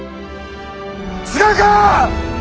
違うか！